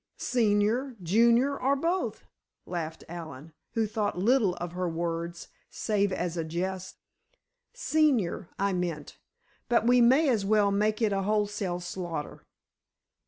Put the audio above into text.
"Senior, junior, or both?" laughed Allen, who thought little of her words, save as a jest. "Senior, I meant, but we may as well make it a wholesale slaughter."